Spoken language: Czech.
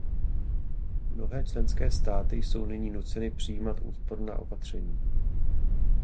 Mnohé členské státy jsou nyní nuceny přijímat úsporná opatření.